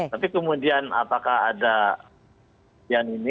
tapi kemudian apakah ada yang ini